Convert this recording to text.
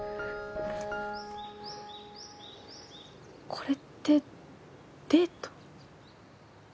これってデート？